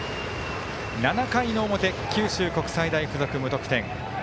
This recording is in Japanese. ７回の表、九州国際大付属無得点。